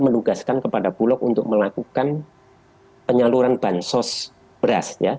menugaskan kepada bulog untuk melakukan penyaluran bahan sos beras ya